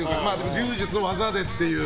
柔術の技でという。